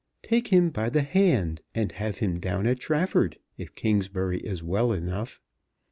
Take him by the hand, and have him down at Trafford if Kingsbury is well enough.